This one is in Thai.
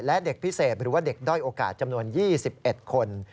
และเด็กพิเศษหรือว่าเด็กด้อยโอกาสจำนวน๒๑คน